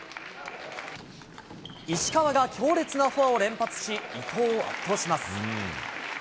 石川が強烈なフォアを連発し、伊藤を圧倒します。